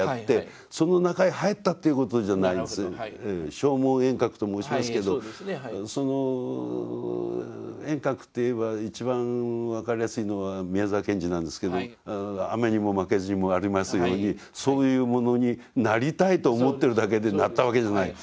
声聞縁覚と申しますけど縁覚っていえば一番分かりやすいのは宮沢賢治なんですけど「雨ニモ負ケズ」にもありますようにそういうものになりたいと思ってるだけでなったわけじゃない。